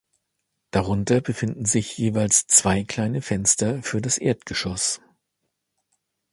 Darunter befinden sich jeweils zwei kleine Fenster für das Erdgeschoss.